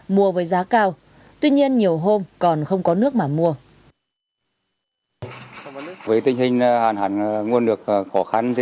mua với giá cao tuy nhiên nhiều hôm còn không có nước mà mua